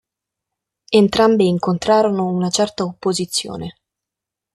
Entrambi incontrarono una certa opposizione.